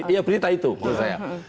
iya berita itu menurut saya